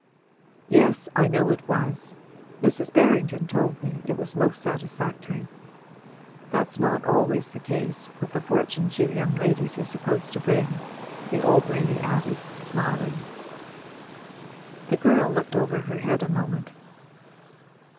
'Yes, I know it was; Mrs. Berrington told me it was most satisfactory. That's not always the case with the fortunes you young ladies are supposed to bring!' the old lady added, smiling. The girl looked over her head a moment.